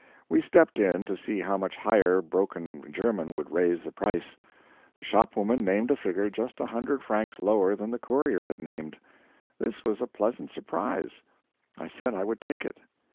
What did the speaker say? We stepped in, to see how much higher broken German would raise the price. The shopwoman named a figure just a hundred francs lower than the courier had named. This was a pleasant surprise. I said I would take it.